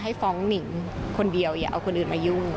ให้ฟ้องหนิ่งคนเดียวอย่าเอาคนอื่นมายุ่ง